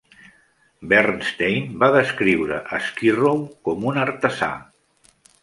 Bernstein va descriure Skirrow com "un artesà".